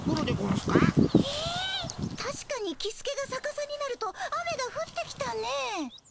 たしかにキスケがさかさになると雨がふってきたねぇ。